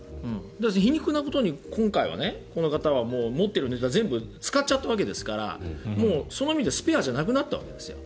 皮肉なことに今回はこの方は持っているネタを全部使っちゃったわけですからもうその意味でスペアじゃなくなったわけです。